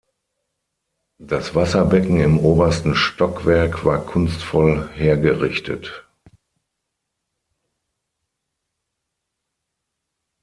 Das Wasserbecken im obersten Stockwerk war kunstvoll hergerichtet.